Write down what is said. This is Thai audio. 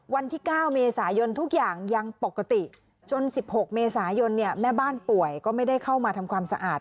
วันที่๙เมษายนทุกอย่างยังปกติจน๑๖เมษายนแม่บ้านป่วยก็ไม่ได้เข้ามาทำความสะอาด